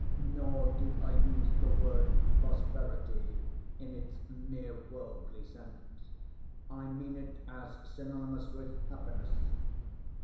Nor do I use the word prosperity in its mere worldly sense. I mean it as synonymous with happiness.